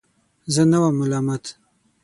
زه نه وم ملامت.